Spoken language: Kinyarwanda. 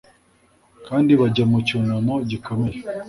kandi bajya mu cyunamo gikomeye